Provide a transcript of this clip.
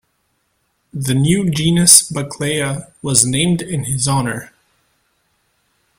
The new genus "Buckleya" was named in his honor.